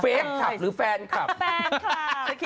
แฟนคลับหรือแฟนคลับแฟนคลับ